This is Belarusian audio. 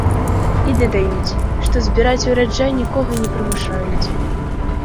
І дадаюць, што збіраць ураджай нікога не прымушаюць.